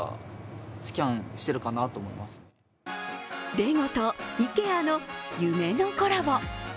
レゴとＩＫＥＡの夢のコラボ。